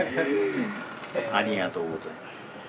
ありがとうございます。